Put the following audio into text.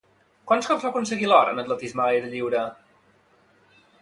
Quants cops va aconseguir l'or en atletisme a l'aire lliure?